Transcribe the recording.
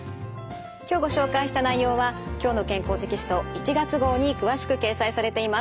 今日ご紹介した内容は「きょうの健康」テキスト１月号に詳しく掲載されています。